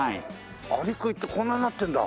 アリクイってこんなになってるんだ。